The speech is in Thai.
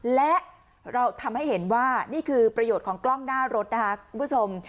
และเราทำให้เห็นว่านี่คือประโยชน์ของกล้องหน้ารถนะคะคุณผู้ชม